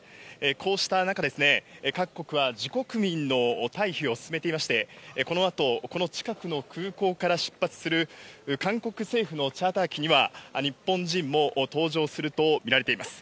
こうした中ですね、各国は自国民の退避を進めていまして、このあとこの近くの空港から出発する韓国政府のチャーター機には、日本人も搭乗すると見られています。